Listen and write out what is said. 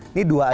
ini dua aja